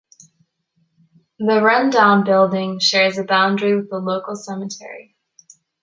The run-down building shares a boundary with the local cemetery.